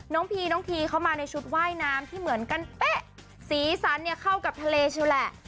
น้องภีร์น้องภีร์เข้ามาในชุดว่ายน้ำที่เหมือนกันเป๊ะสีสันเนี่ยเข้ากับทะเลใช่ไหม